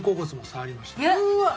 うわっ！